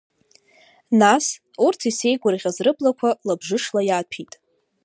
Нас, урҭ исеигәырӷьаз рыблақәа лабжышла иааҭәит.